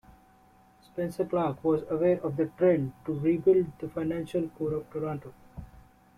Spencer Clark was aware of the trend to rebuild the financial core of Toronto.